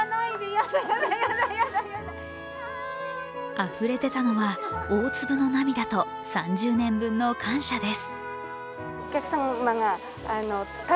あふれ出たのは大粒の涙と３０年分の感謝です。